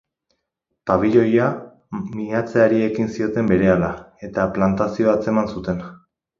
Pabiloia miatzeari ekin zioten berehala, eta plantazioa atzeman zuten.